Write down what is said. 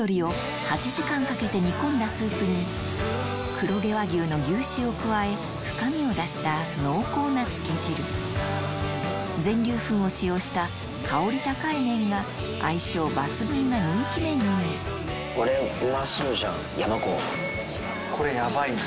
黒毛和牛の牛脂を加え深みを出した濃厚なつけ汁全粒粉を使用した香り高い麺が相性抜群な人気メニュー厚くねえ？